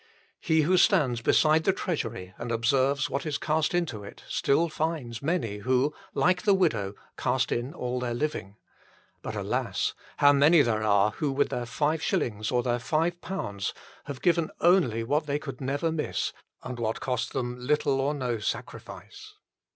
He who stands beside the treasury and observes what is cast into it still finds many who, like the widow, cast in all their living. But, alas ! how many are there who with their five shillings or their five pounds have given only what they could never miss and what costs them little or no sacrifice.